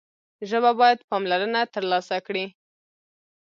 ژبه باید پاملرنه ترلاسه کړي.